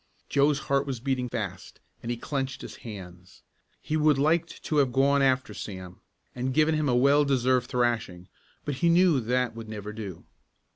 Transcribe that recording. Joe's heart was beating fast, and he clenched his hands. He would liked to have gone after Sam and given him a well deserved thrashing, but he knew that would never do.